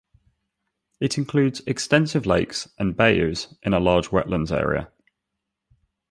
It includes extensive lakes and bayous in a large wetlands area.